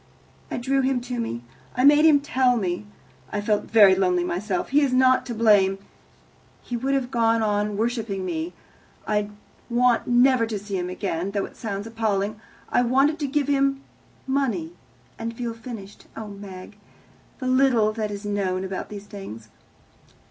I drew him to me. I made him tell me. I felt very lonely myself. He is not to blame. He would have gone on worshipping me. I want never to see him again, though it sounds appalling. I wanted to give him money and feel finished. Oh, Meg, the little that is known about these things!"